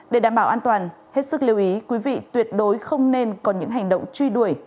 để đảm bảo an toàn hết sức lưu ý quý vị tuyệt đối không nên có những hành động truy đuổi